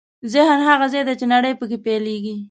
ذهن هغه ځای دی چې نړۍ پکې پیلېږي.